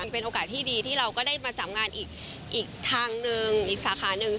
เป็นโอกาสที่ดีที่เราก็ได้มาจับงานอีกทางหนึ่งอีกสาขาหนึ่ง